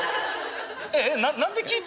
ええ？何で聞いた？